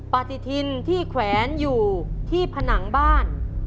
ปฏิทินที่แขวนอยู่ที่ผนังบ้าน